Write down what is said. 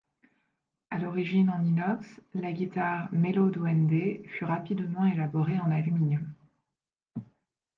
À l’origine en inox, la guitare MeloDuende fut rapidement élaborée en aluminium.